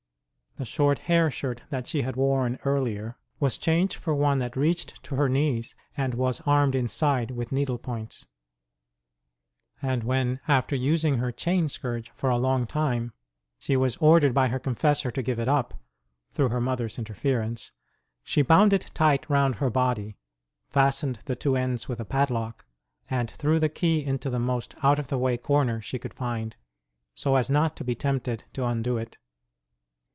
The short hair shirt that she had worn earlier was changed for one that reached to her knees, and was armed inside with needle points ; and when, after using her chain OF THE SAINT S INCREASED PENANCES 135 scourge for a long time, she was ordered by her confessor to give it up, through her mother s interference, she bound it tight round her body, fastened the two ends with a padlock, and threw the key into the most out of the way corner she could find, so as not to be tempted to undo it.